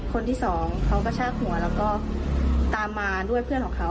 คนที่สองเขากระชากหัวแล้วก็ตามมาด้วยเพื่อนของเขา